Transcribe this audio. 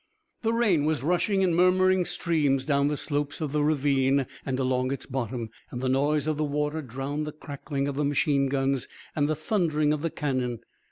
The rain was rushing in murmuring streams down the slopes of the ravine and along its bottom, and the noise of the water drowned the crackling of the machine guns and the thundering of the cannon.